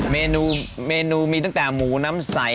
เมนูเมนูมีตั้งแต่หมูน้ำใส